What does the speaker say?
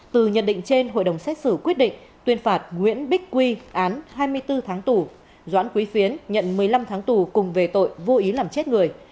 từ nhận định trên hội đồng xét xử quyết định tuyên phạt nguyễn bích quy án hai mươi bốn tháng tù doãn quý phiến nhận một mươi năm tháng tù cùng về tội vô ý làm chết người